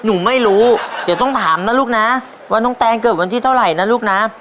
หนูไม่รู้เดี๋ยวต้องถามนะลูกนะว่าน้องแตงเกิดวันที่เท่าไหร่นะลูกนะ